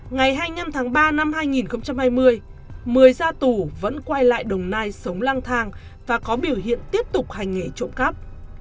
ngày hai mươi năm tháng ba năm hai nghìn hai mươi một mươi ra tù vẫn quay lại đồng nai sống lang thang và có biểu hiện tiếp tục hành nghề trộm cắp